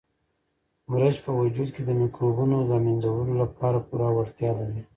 مرچ په وجود کې د مکروبونو د له منځه وړلو لپاره پوره وړتیا لري.